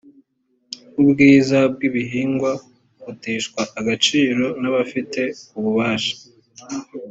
ubwiza bw’ibihingwa buteshwa agaciro n’abafite ububasha